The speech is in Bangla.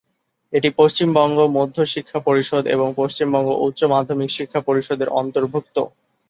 এটি পশ্চিমবঙ্গ মধ্য শিক্ষা পরিষদ এবং পশ্চিমবঙ্গ উচ্চ মাধ্যমিক শিক্ষা পরিষদের অন্তর্ভুক্ত।